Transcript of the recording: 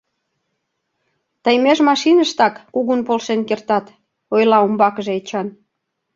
— Тый меж машиныштак кугун полшен кертат, — ойла умбакыже Эчан.